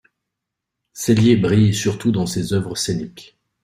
Cellier brille surtout dans ses œuvres scéniques.